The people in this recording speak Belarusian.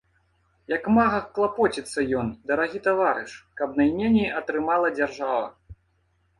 Як мага клапоціцца ён, дарагі таварыш, каб найменей атрымала дзяржава.